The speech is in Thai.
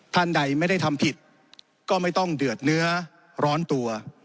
ท่านใดไม่ได้ทำผิดก็ไม่ต้องเดือดเนื้อร้อนตัว